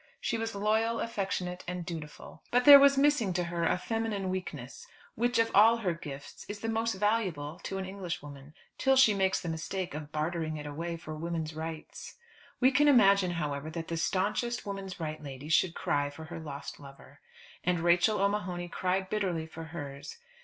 She was loyal, affectionate, and dutiful. But there was missing to her a feminine weakness, which of all her gifts is the most valuable to an English woman, till she makes the mistake of bartering it away for women's rights. We can imagine, however, that the stanchest woman's right lady should cry for her lost lover. And Rachel O'Mahony cried bitterly for hers.